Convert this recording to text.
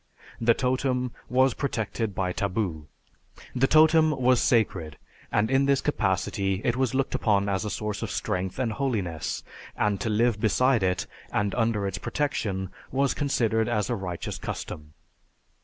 The totem was protected by taboo. The totem was sacred and in this capacity it was looked upon as a source of strength and holiness, and to live beside it and under its protection was considered as a righteous custom.